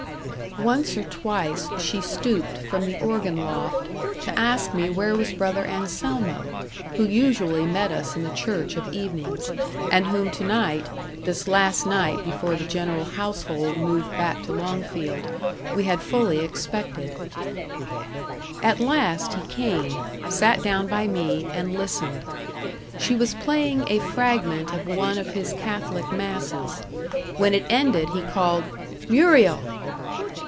Once or twice she stooped from the organ loft to ask me where was Brother Anselmo, who usually met us in the church of evenings, and whom to night this last night before the general household moved back to Longfield we had fully expected. At last he came, sat down by me, and listened. She was playing a fragment of one of his Catholic masses. When it ended, he called "Muriel!"